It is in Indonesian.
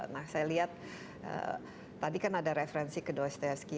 nah saya lihat tadi kan ada referensi ke dosteski